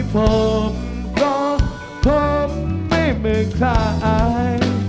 ผมก็คงไม่เหมือนใคร